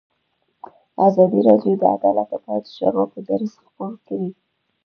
ازادي راډیو د عدالت لپاره د چارواکو دریځ خپور کړی.